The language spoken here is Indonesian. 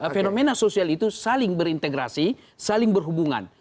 fenomena sosial itu saling berintegrasi saling berhubungan